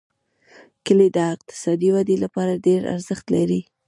کلي د اقتصادي ودې لپاره ډېر ارزښت لري.